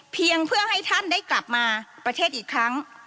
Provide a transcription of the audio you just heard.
เพียงเพื่อให้ท่านได้กลับมาประเทศอีกครั้ง